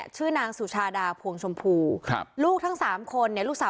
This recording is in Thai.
ชื่อนางสุชาดาพวงชมพูครับลูกทั้งสามคนเนี่ยลูกสาว